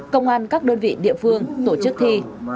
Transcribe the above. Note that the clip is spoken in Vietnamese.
công an các đơn vị địa phương tổ chức thi